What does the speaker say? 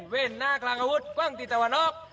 เป็นเวรนาคลางอาวุธควังติตะวันออก